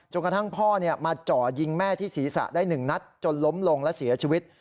กระทั่งพ่อมาจ่อยิงแม่ที่ศีรษะได้๑นัดจนล้มลงและเสียชีวิต